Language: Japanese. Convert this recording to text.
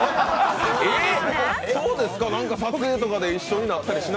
え、撮影とかで一緒になったりしない？